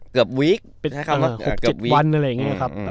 เกือบวีค๖๗วันอะไรอย่างนี้ครับ